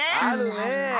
あるねえ。